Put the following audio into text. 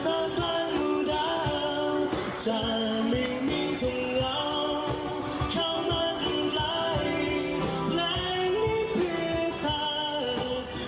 ท่ากล้าฐูดาวจะไม่มีคนรักเข้ามาด้วยไหล